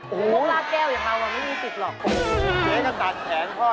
โอ้โฮคนรักแก้วอย่าทำมันไม่มีสิทธิ์หรอก